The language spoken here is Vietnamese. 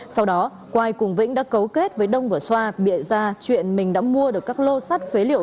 sau đó quay cùng vĩnh đã cấu kết với đông và xoa biện ra chuyện mình đã mua được các lô sắt phế liệu